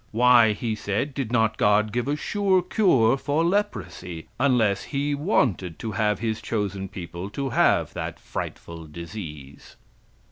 Why; he said, did not God give a sure cure for leprosy, unless He wanted to have His chosen people to have that frightful disease?)